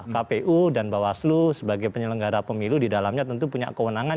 kpu dan bawaslu sebagai penyelenggara pemilu di dalamnya tentu punya kewenangan